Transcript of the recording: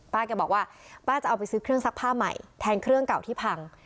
แกบอกว่าป้าจะเอาไปซื้อเครื่องซักผ้าใหม่แทนเครื่องเก่าที่พัง